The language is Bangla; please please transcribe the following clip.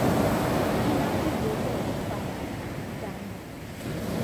এই নামটির বৈকল্পিক বানান ডানী।